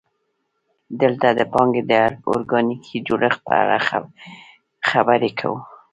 دلته د پانګې د ارګانیکي جوړښت په اړه خبرې کوو